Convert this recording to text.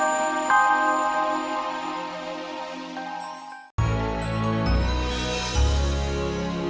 terima kasih lagi bapak patelur